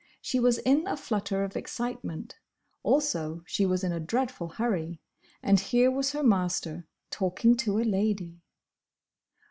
She was in a flutter of excitement; also she was in a dreadful hurry—and here was her master, talking to a lady!